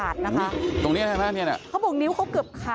แล้วก็มาก่อเหตุอย่างที่คุณผู้ชมเห็นในคลิปนะคะ